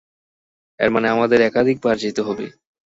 এর মানে আমাদের একাধিক বার যেতে হবে।